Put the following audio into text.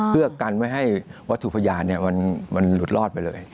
เพื่อกันเพื่อไม่ให้วัตถุพยานรอดไปเลย